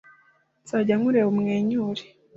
Nzajya nkureba umwenyura